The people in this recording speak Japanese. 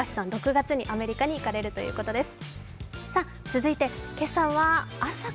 ６月にアメリカに行かれるということです。